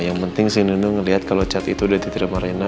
yang penting sih nino ngelihat kalau chat itu udah dititip sama rina